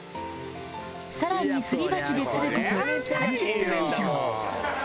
更にすり鉢でする事３０分以上